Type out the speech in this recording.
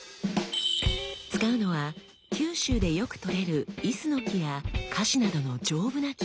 使うのは九州でよくとれるイスノキや樫などの丈夫な木。